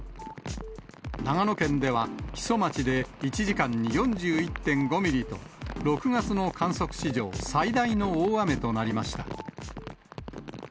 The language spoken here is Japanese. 長野県では木曽町で、１時間に４１．５ミリと、６月の観測史上最大の大雨となりました。